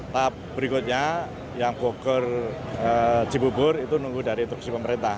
tahap berikutnya yang boker jibubur itu nunggu dari tuksi pemerintah